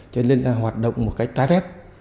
cho nên là hoạt động một cách trái phép